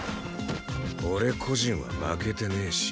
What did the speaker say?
俺個人は負けてねえし。